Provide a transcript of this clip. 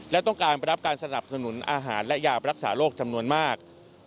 และต้องการรับการสนับสนุนอาหารและยารักษาโรคจำนวนมาก